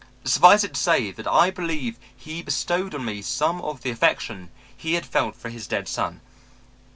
"Suffice it to say that I believe he bestowed on me some of the affection he had felt for his dead son.